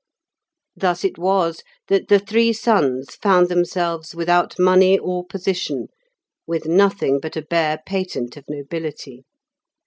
Thus it was that the three sons found themselves without money or position, with nothing but a bare patent of nobility.